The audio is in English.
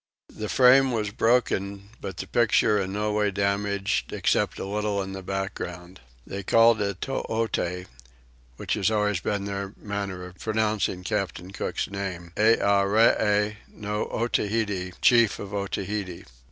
The frame was broken but the picture no way damaged except a little in the background. They called it Toote (which has always been their manner of pronouncing Captain Cook's name) Earee no Otaheite, chief of Otaheite.